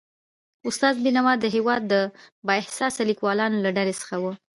استاد بینوا د هيواد د با احساسه لیکوالانو له ډلې څخه و.